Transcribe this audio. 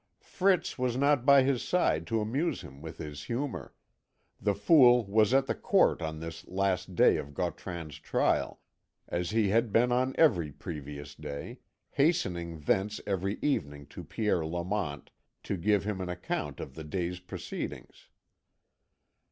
Fritz was not by his side to amuse him with his humour; the Fool was at the court, on this last day of Gautran's trial, as he had been on every previous day, hastening thence every evening to Pierre Lamont, to give him an account of the day's proceedings.